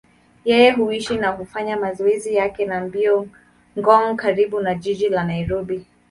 Yeye huishi na hufanya mazoezi yake ya mbio Ngong, karibu na jiji la Nairobi.